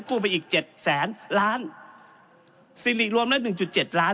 กู้ไปอีกเจ็ดแสนล้านสิ่งหลีกรวมแล้วหนึ่งจุดเจ็ดล้าน